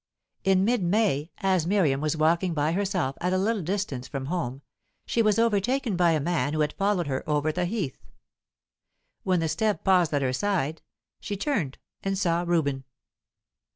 In mid May, as Miriam was walking by herself at a little distance from home, she was overtaken by a man who had followed her over the heath. When the step paused at her side, she turned and saw Reuben.